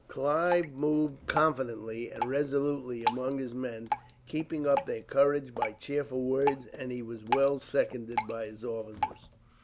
Clive moved confidently and resolutely among his men, keeping up their courage by cheerful words, and he was well seconded by his officers.